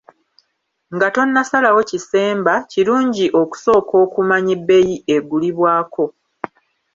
Nga tonnasalawo kisemba, kirungi okusooka okumanya ebbeeyi egulibwako.